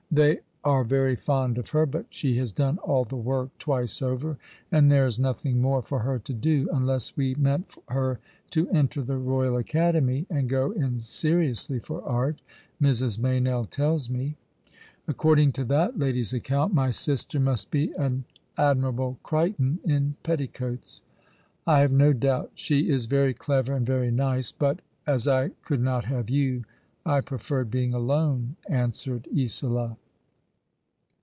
They are very fond of her ; but she has done all the work twice over, and there is nothing more Cor her to do, unless we meant her to enter the Royal ''A Love still burning ttpwaj^dJ^ 8 Acadcmj' and go in seriously for art, Mrs. Meynoll tells mc. According to that lady's account my sister must be an Admirable Crichton in petticoats." '' I have no doubt she is very clever and very nice ; but, as I could not have you, I preferred being alone," answered Isola.